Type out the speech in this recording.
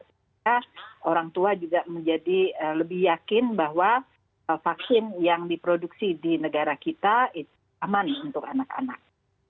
sehingga orang tua juga menjadi lebih yakin bahwa vaksin yang diproduksi di negara kita aman untuk anak anak